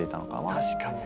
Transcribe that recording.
確かに。